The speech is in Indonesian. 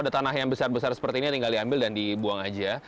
ada tanah yang besar besar seperti ini tinggal diambil dan dibuang aja